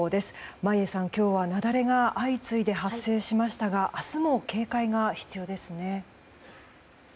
眞家さん、今日は雪崩が相次いで発生しましたが明日も警戒が必要ですね。